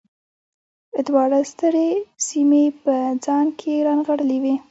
دواړو سترې سیمې په ځان کې رانغاړلې وې.